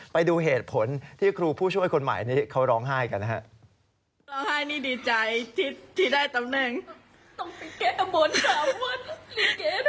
ไปดูเหตุผลที่ครูผู้ช่วยคนใหม่นี้เขาร้องไห้กันนะครับ